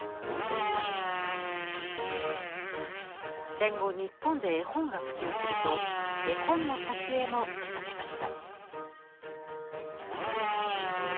戦後日本で絵本が普及すると絵本の挿絵も手がけました。